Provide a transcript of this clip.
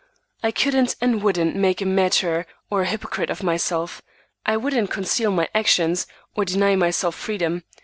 I couldn't and wouldn't make a martyr or a hypocrite of myself. I wouldn't conceal my actions or deny myself freedom.